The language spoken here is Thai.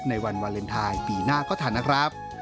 ในวันวาเลนไทยปีหน้าก็ทันนะครับ